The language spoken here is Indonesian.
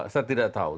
saya tidak tahu